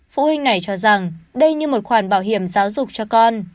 phụ huynh này cho rằng đây như một khoản bảo hiểm giáo dục cho con